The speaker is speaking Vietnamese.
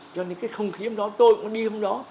cho nên cái không khí hôm đó tôi cũng đi hôm đó